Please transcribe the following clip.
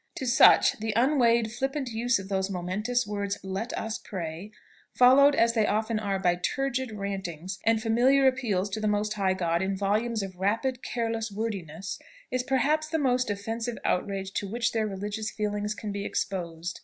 To such, the unweighed flippant use of those momentous words "LET US PRAY," followed as they often are, by turgid rantings, and familiar appeals to the most High God, in volumes of rapid, careless wordiness, is perhaps the most offensive outrage to which their religions feelings can be exposed.